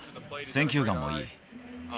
選球眼もいい。